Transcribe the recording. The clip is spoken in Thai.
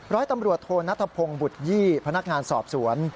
ร้อยตำรวจโทนัทพงศ์บุตรยี่พนักงานสอบสวน